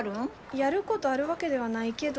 やることあるわけではないけど。